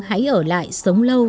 hãy ở lại sống lâu